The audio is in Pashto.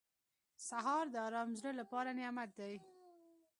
سهار د ارام زړه لپاره نعمت دی.